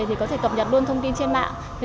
thì có thể cập nhật luôn thông tin trên mạng